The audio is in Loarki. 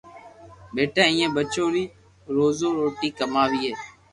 پيئا ليئين ٻچو ري روزو روٽي ڪماوي